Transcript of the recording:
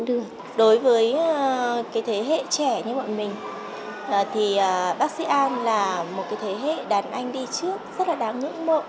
đối với thế hệ trẻ như bọn mình thì bác sĩ an là một cái thế hệ đàn anh đi trước rất là đáng ngưỡng mộ